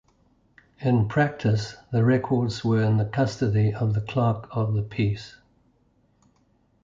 In practice, the records were in the custody of the clerk of the peace.